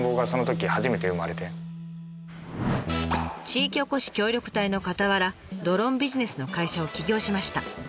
地域おこし協力隊のかたわらドローンビジネスの会社を起業しました。